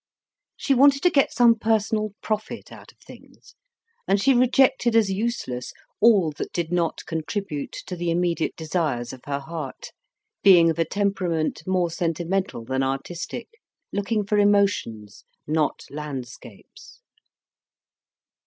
She wanted to get some personal profit out of things, and she rejected as useless all that did not contribute to the immediate desires of her heart, being of a temperament more sentimental than artistic, looking for emotions, not landscapes.